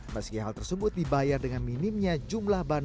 meski hal tersebut dibayar dengan minimnya jumlah bantuan